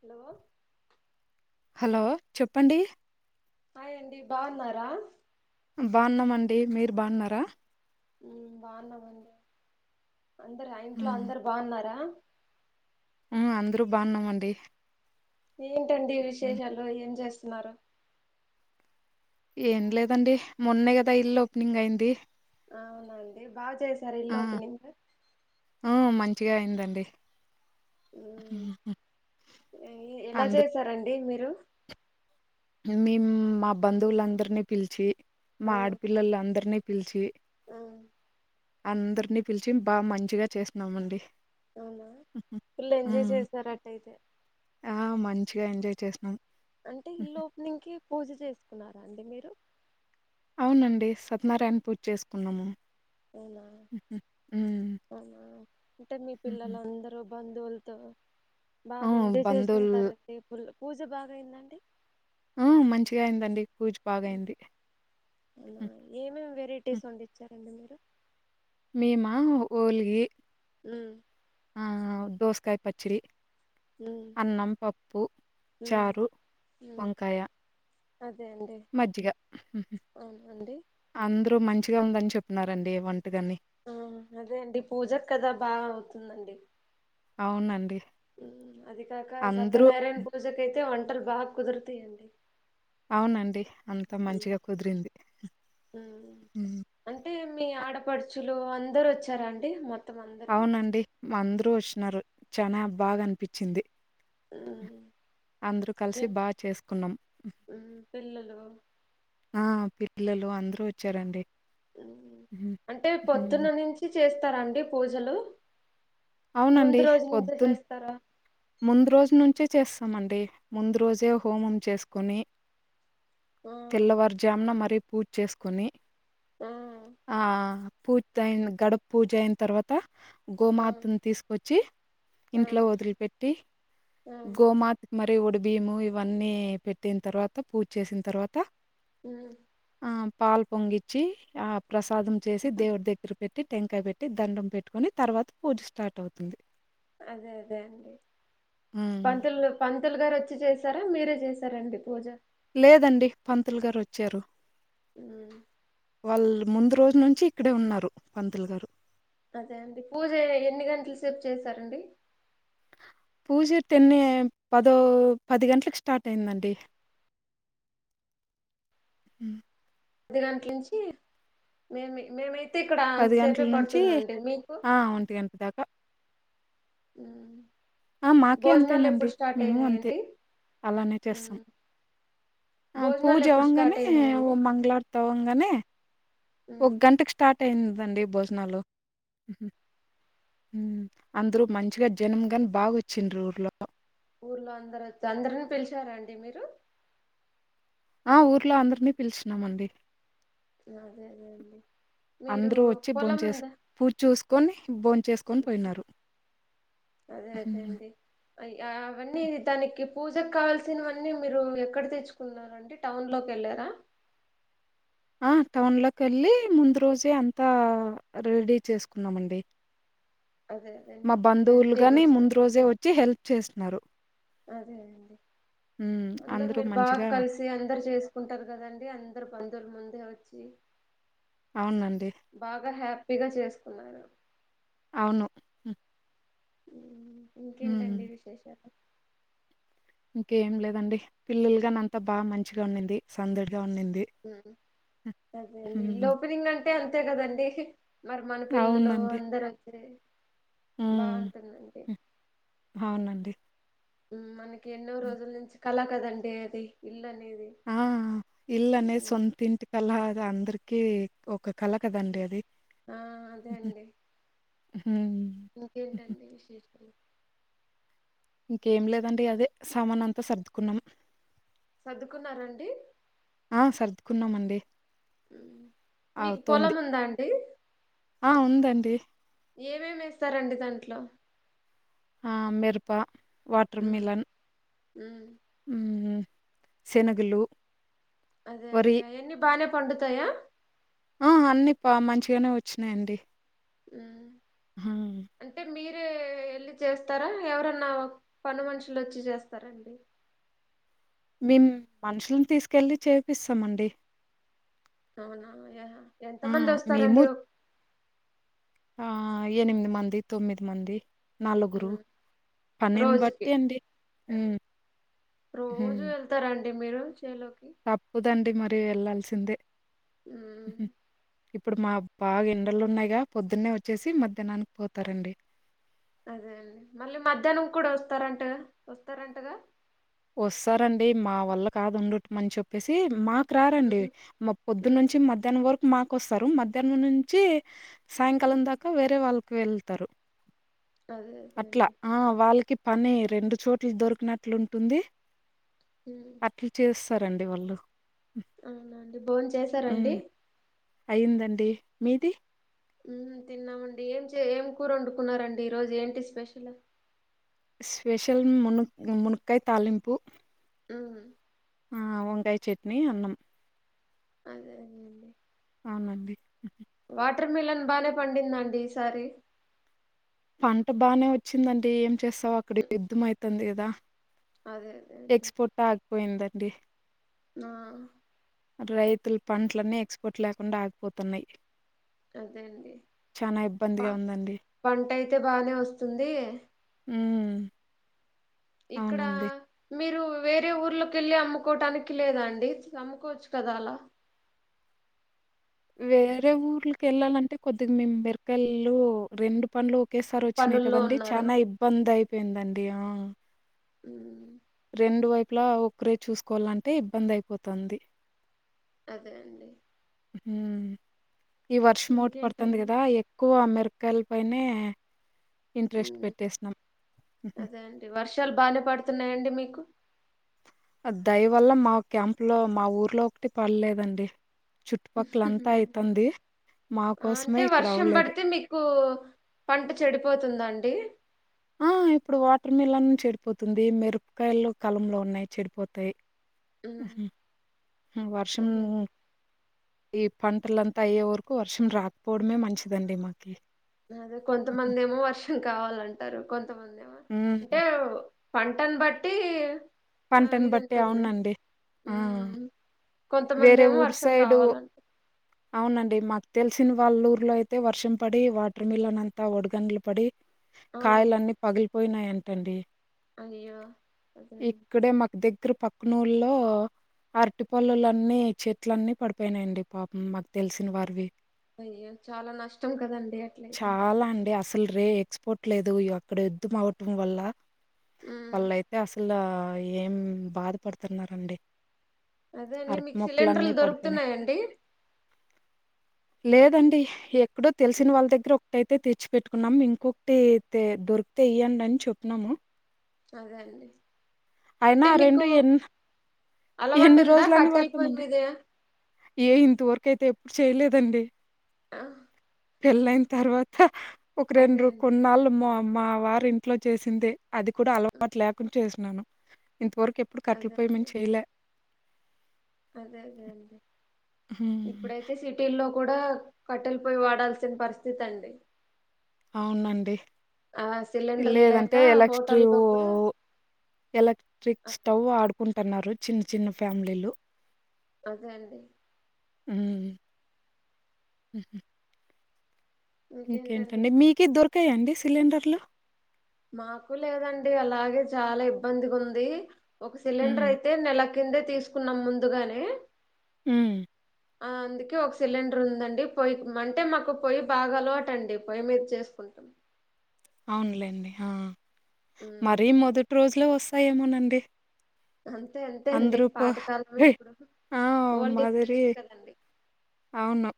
Hello hello చెప్పండి అయండి బాగున్నారా బాన్నామండి మీరు బాగున్నారా బాగున్నావండి అందరు ఆ ఇంట్లో అందరు బాగున్నారా ఆ అందరూ బాగున్నామండి ఏంటండి హ్మ్. విశేషాలు ఏం చేస్త స్మార ఏం లేదండి మొన్నే కదా ఇల్లు ఓపెనింగ్ అయింది అవునండి బాగు చేసారు ఆ ఇల్లుపు నింగ ఆ మంచిగా అయిందండి హ్మ్. హ్మ్. ఎలా అందరు చేసారండి మీరు మేము మా బంధువులందరినీ పిలిచి ఆ, మాపిల్ల్ అందర్నే పిలిచి ఆ అందరినీ పిలిచి బాగా మంచిగా చేస్తున్నామండి అవునా పల్లు ఎంజాయ్ చేస్తార అట్టయితే ఆ మంచిగా ఎంజాయ్ చేసినాం అంటే హుహు. ఇల్లు ఇంక పూజ చేసుకున్నారా అండి మీరు అవునండి సత్యనారాయణ పూజ చేసుకున్నాము అవునా అవునా అంటే మీ పిల్లలు అందరుూ బందవులుతో బాగా ఎంజాయ్ బంధువులు చేసుకుంటార అయితే పుల్ పూజ బాగాయందండి ఆ మంచిగా అయిందండి పూజ బాగయింది. అ హ్మ్. ఏమేమి వెరైటీస్ వందిచ్చ మీమా ల్గి అ ఆ దోసకాయ పచ్చడి మ్మ్ అన్నం పప్పు మ్మ్ చారు మ్మ్ వంకాయ అదే అండి మజ్జిగ అవునండి అందరూ మం చిగా ఉందని చెప్నారండి వంటుగాని ఆ అదే అండి పూజ కదా బాగా అవుతుందండి అవునండి ఊ అది కాక అందరూ సత్యనారాయణ పూజకు అయితే వంటలు బాగ్ కుదురుతై అండి అవునండి అంతా మంచిగా కుదిరింది మ్మ్ ఊ అంటే మీ ఆడపడుచులు అందరు వచ్చారాండి మొత్త్ అవునండి అందురూ వష్ నారు చానా బాగనిపిచ్చింది మ్మ్ అందురూ మీ కలిసి బా చేసుకున్నం మ్మ్ పిల్లలు ఆ పిల్లలు అందరూ వచ్చారండి అంటే పొద్దున నించి చేస్ తరా అండి పూజలు ముందు అవునండి. రోజు నుంచే పొద్దున చేస్తారా ముందు రోజు నుంచే చేస్తామండి ముందు రోజే హోమం చేసుకుని ఆ తెల్లవారుజామున మరి పూజ చేసుకొని ఆ ఆ పూజ అయిన గడప పూజ అయిన తర్వాత ఆ గోమాతను తీసుకొచ్చి ఆ ఇంట్లో వదిలిపెట్ ఆ గోమాత మరి ఉడిబియము ఇవన్నీ పెట్టిన తర్వాత పూజ చేసిన తర్వాత ఉ పాల్ పొంగించి ఆ ప్రసాదం చేసి దేవుడి దగ్గర పెట్టి పెట్టి టెంకాయ పెట్టి దండం పెట్టుకొని తర్వాత పూజ స్టార్ట్ అవుతుంది అదే అదే అండి హ్మ్. పంతులు పం పంతులు గారు వచ్చి చేశారా మీరే చేశారండి పూజ లేదండి పంతులు గారు వచ్చారు హ్మ్ వాళ్ళు ముందు రోజు నుంచి ఇక్కడే ఉన్నారు పంతులు గారు అదే అండి పూజ ఎన్ని గంటల సేపు చేసారండి పూజ టెన్నె పదో పది గంటలకు స్టార్ట్ అయిందండి పద్ది గంటల నుంచి మే మేమై పది గంటల నుంచి ఆ ఒంటి గంట దాకా ఉ ఆ మాకే అంతేనండి మేము అంతే అయినాయండి అలానే చేస్తాం ఉమ్ భోజనాలు పూజ ఎప్పుడు స్టార్ట్ అవ్వగానేఓ అయినాయండి మంగళఆరతి అవగానే ఒక ఉమ్ ఘంట స్టార్ట్ ట్ అయింరండి భోజనాలు అందరు మంచిగా జనం గాని బాగాొచ్చిండ ఊర్లో ఊర్లో అందరు వ అందరినీ పిలిచారాండి మీరు ఆ ఊర్లో అందరినీ పిలుచున్నామండి అదే అదే అండి మీరు పొలం ఉందా కోనీ బోన్ చేసుకొని పోయినరూ హు అయ అవన్నీ దానికి పూజకు కావల్సినవన్నీ మీరు ఎక్కడ తెచ్చుకున్నరండి టౌన్ లోకి కేళ్ళారా ఆ టౌన్లోకి కేళ్ళి ముందు రోజే అంతా రెడీ చేసుకున్నామండి అదే అదేండి మా బంధువులు గాని వెజిటేబుల్స్ ముందు రోజే వచ్చి హెల్ప్ చేస్తున్నారు. అదే అండి హ్మ్ అందరు అందరూ మీరు బాగా మంచిగా కలిసి అందరు చేసుకుంటారు కదండి అందరు పాన్ దర్ ముందే వచి అవునండి బాగా హ్యాపీగా చేసు కునార అవును ఉ ఇంకేంటండి హ్మ్. విశేషాలు ఇంకేం లేదండి పిల్లలు గన్ అంతా బాగా మంచిగా ఉనింది సందడి మ్మ్ అదేండి. హ్మ్ హ్మ్. ఇల్లోపనింగంట్ అంటే అంతే కదండి. మరి మన పిల్లలు అవునండి. అందరు హ్మ్ బావుంటుందండి. హ్మ్. అవునండి. హ్మ్ మన ఎన్నో హ్మ్. రోజుల నుంచి కలా కదండి అది ఇల్లు అనే ఆ ఇల్లానేది సొంతింటి కలా ఇగ అందరికి ఒక కల కదండి అది ఆ అదే హుహ్ అండి ఇంకేంటండి విశేషం. ఇంకేం లేదండి అదే సామాను అంతా సర్దుకున్నాం. సర్దుకున్నారా అండి. ఆ సర్దుకున్నామండి. మీకు పొలం అవుతోంది. ఉందా అండి. ఆ ఉందండి. ఏమేమి వేస్తారండి దాంట్లో ఆ మేరుపా వాటర్ ఉమ్ మిలన్ ఉమ్ హుహ్ శనగులు అదే అండి అయన్ని బానే పండుతయా ఆ అన్ని పా మంచిగానే వచ్చినాయండి. హ్ హా టే వెళ్ళి చేస్తారా. ఎవరన్నా పని మనుషులు వచ్చి చేస్తారండి. మేం మనుషుల్ని తీసుకెళ్ళి చేపిస్తమండి. అవునా యహా ఎంతమంది వస్తారండి? ఆ ఎనిమిది మంది తొమ్మిది మంది నలుగురు పనిని రోజుకి బట్టి అండి. హ్ రోజు వెళ్తారం ఎ మీరు. చేలోకి తప్పదండి మరి వెళ్ళాల్సి సిందే ఉ.. ఇప్పుడు మా బాగా ఎండలు ఉన్నాయిగా పొద్దున్నే వచ్చేసి మధ్యాహ్నానికి పోతారండి. అదే అండి మళ్ళీ మధ్యాహ్నం కూడా వస్తారంటగా వస్తారంటగా వస్తారంండి మా వల్ల కాదు [unintelligible] అని చెప్పేసి మాకు రారండి ఉమ్ మాకు పొద్దు ఉమ్ నుంచి మధ్యాహ్నం వరకు మాకొస్తారు మధ్యాహ్నం నుంచి సాయంకాలం ఉమ్ దాకా వేరే వాల్ వెళ్తారు అదే అదే అట్లా అండి ఆ వాళ్ళకిప్ పని రెండు చోట్లు దొరికినట్లుం టుంది ఉమ్ అ పలీచస్ సరండి వాళ్ళు అవునండి బోన్ చేసారంండి అయ్యిందండి మీది ఉహు తిన్నామండి ఏం చే ఏం కూర వండుకున్నారండి ఈరోజు ఏంటి స్పెషల్ స్పెషల్ మును మునక్కాయ తాలింపు ఉ ఆ వంకాయ చట్నీ అన్నం అదే అండి అవునండి వాటర్ మిలన్ బాగనే పండిందండి ఈసారి పంట బాగనే వచ్చింది అంటే ఏం చేస్తావు అక్కడ యుద్ధం అయితాంది గదా అదే అదే ఎక్స్ పోర్ట్ ఆగిపోయింది డే న అటు రైతులు పంటలన్నీ ఎక్స్ పోర్ట్ లేకుండా ఆగిపోతున్నాయి అదే అండి చనా ప ఇబ్బందిగా ఉందండి పంట అయితే బాగానే వస్తుంది ఉ ఇక్కడ మీరు వేరే ఊర్లోకి కెళ్ళి అమ్ముకోటానికి లేదా అండి అమ్ముకోవచ్చు కదా అలా వేరే ఊర్లకి వెళ్ళాలంటే కొద్దిగా మేము బెర్ కళ్ళు రెండు పనులు ఒకే సారి వచ్చినాయి పనుల్లో కదండి ఉన్నారా చానా ఇబ్బంది అయిపోయిందన్ దియా ఉ రెండు వైపులా ఒక్కరే చూసుకోవాలంటే ఇబ్బంది అయిపోతది అదే అండి ఉ ఈ వర్షం ఓటి పడుతది ఇంకేంటండి గదా ఎక్కువ మెరు కలుపనే ఉ అదే అండి వర్షాలు బాగనే పడుతున్నాయండి మీకు దయవల్ల మా క్యాంపు లో మా ఊర్లో ఒకటి పర్లేదండి మా కోసమే అంటే ఇక్కడ వర్షం అవ్వలేదు. పడితే మీకు పంట చెడిపోతుందండి. టే ఆ ఇప్పుడు వాటర్ మిలన్ చెడిపోతుంది మిరపకాయలు కలంలో ఉన్నాయి చెడిపోతాయి. ఉమ్, వర్షం అదే అండి. ఈ పంటలంతా అయ్యే వరకు వర్షం రాకపోవడమే మంచిదండి మాకి అదే హుహు. కొంతమంది ఏమో వర్షం కావాలంటారు మమందేమ హ్మ్ అంటేఓ పంటన్ బట్టి ఆ పంటన్ ఇది బట్టి ఉంటుంది అవునండి ఆ ఉమ్ కొంతమంది వేరే ఏమో ఊరు వర్షం సైడు కావాలంట అవునండి మత్ తెలిసిన వాళ్ళ ఊర్లో అయితే వర్షం పడి వాటర్ మిలన్ అంతా ఒడిగనులు పడి ఆ కాయలన్నీ పగిలి పోయినాయంటండి. అయ్యో అదే అండి ఇక్కడే మాకు దగ్గర పక్కనూరులో అరటి పొలాలన్నీ చెట్లన్నీ పడిపోయినాయిండి పాపం మాకు తెలిసిన వారివి అయ్యో చాలా నష్టం కదండి అట్లయితే చాలా అండి. అసలు రే ఎక్స్పోర్ట్ లేదు అక్కడ యుద్ధం అవటం వల్ల ఉమ్ వాళ్లయితే అస్ ఇలా ఏం బాధపడుతున్నారండి అదే అండి అరటి మీకు సిలిండర్లు మొక్కలన్నీ పడిపోయినాయి. దొరుకుతున్నాయా అండి లేదండి ఎ ఎక్కడో తెలిసిన ఉమ్, వాళ్ళ దగ్గర ఒకటయితే తెచ్చి పెట్టుకున్నాము ఇంకొకటి అయితే దొరికితే ఇయ్యండి అని చెప్పినాము అదే అండి అయినా అంటే రెండు మీకు ఎన్ అలవాటు ఎన్ని ఉందా రోజులని కట్టెల పొయ్యి వాడతామండి. మీద ఏ ఇంతవరకు అయితే ఎప్పుడు చేయలేదండి పెళ్ళయిన తర్వాత ఒక అదే రెండు అండి కొన్నాళ్ళు మా మా వారు ఇంట్లో చేసిందే అది కూడా ఉమ్, అలవాటు లేకుండా చేసినాను ఇంతవరకు ఎప్పుడు కట్టల అదే పొయి మీద అండి చేయలే అదే అదే అండి హ్మ్. ఇప్పుడైతే సిటీ లో కూడా కట్టెలు పోయి వాడాల్సిన పరిస్థితి అండి అవునండి ఆ సిలిండర్లు లేక లేదంటే ఎలక్ట్రి హోటల్లో కూడా ఎలక్ట్రిక్ అదే స్టవ్ వాడుకుం న్నారు చిన్న చిన్న ఫ్యామిలీలు అదే అండి అ ఇంకేంటండి మీకి దొర్ తే అండి సిలిండర్లు మాకూ లేదండి అలాగే చాలా ఇబ్బందిగుంది ఒక సిలిండర్ హ్మ్. అయితే నెల కిందే తీసుకున్నాం ముందుగానే ఉం అ అందుకే ఒక సిలిండర్ ఉందండి పొయ్యి అంటే మాకు పొయ్యి బాగాలవాటు అండి పొయ్యి మీద చేసుకుంటాం అవునులేండి ఆ ఉమ్. మరీ మొదటి రోజు ట్లో వస్తాయేమోనండి అంతే అంతే అండి అంద్రూపు పాతకాలమే ఇప్పుడు ఆ ఓల్డ్ ఈజ్ మాదిరి బెస్ట్ కదండి అవును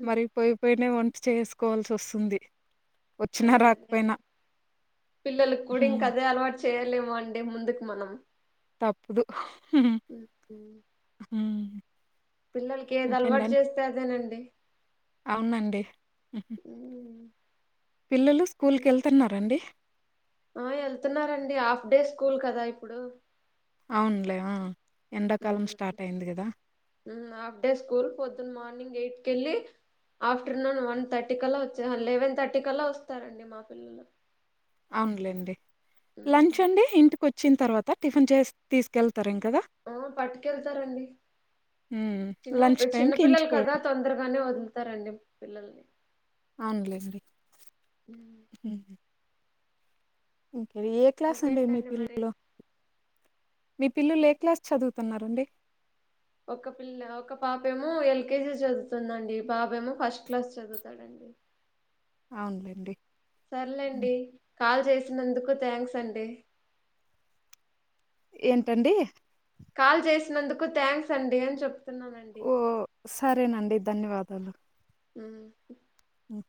హ్మ్. మరి పోయిపోయినే ఉ చేసుకోవాల్సి వస్తుంది అదే అదే అండి పిల్లలకి కూడా ఇంకా హ్మ్. అదే అలవాటు చేయలేమండి ముందుకి మనం తప్పుదు హ్మ్. హ్మ్. ఉం పిల్లలకి ఏది అలవాటు ఇంకేంటని చేస్తే అదేనండి అవునండి హ్మ్. పిల్లలు స్కూల్ హ్మ్. కెళ్తున్నారండి ఆ వెళ్తున్నారండి హాఫ్ డే స్కూల్ కదా ఇప్పుడు అవునులే అ ఉం హఫ్ డే స్కూల్ పొద్దున్న మార్నింగ్ ఎయిట్ కెళ్ళి ఆఫ్టర్నూన్ వన్ థర్టీ కలా వచ్చా లెవెన్ థర్టీ కలా వస్తారండి మా పిల్లలు అవునులేండి లంచ్ హ్మ్. అండి ఇంటికి వ చ్చిన తర్వాత టిఫిన్ చేసి తీసుకెళ్ ఆ పట్టుకెళ్తారండి హ్మ్. చిన్న లంచ్ చిన్న టైమ్‌కి పిల్లలు ఇంటికొ కదా తొందరగానే వదు లుతారండి పిల్లల్ని అవున్ లేండి ఉహు ఉ ఏ క్లాస్ అండి మీ ఇంకేంటండి మరి పిల్లలు మీ పిల్లలు ఏ క్లాస్ చదువుతున్నారండి ఒక పిల్ల ఒక పాపేమో ఎల్కేజీ చదువుతుందండి బాబేమో ఫస్ట్ క్లాస్ చదువుతాడండి అవునులేండి సర్లేండి కాల్ చేసినందుకు థ్యాంక్స్ అండి ఏంటండి కాల్ చేసినందుకు థ్యాంక్స్ అండి అని చెప్ ఓ సరేనండి ధన్యవాదాలు ఉం హ్మ్.